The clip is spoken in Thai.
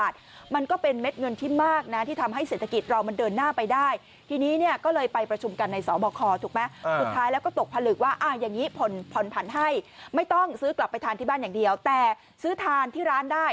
ทานที่บ้านอย่างเดียวแต่ซื้อทานที่ร้านได้